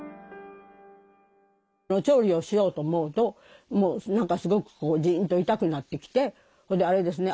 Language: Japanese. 調理をしようと思うともう何かすごくジンと痛くなってきてそれであれですね